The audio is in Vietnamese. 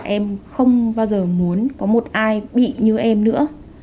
em không bao giờ muốn có một ai bị như em nữa